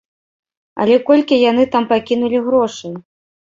Але колькі яны там пакінулі грошай?